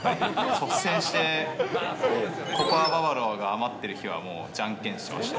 率先してココアババロアが余ってる日はもう、じゃんけんしてました。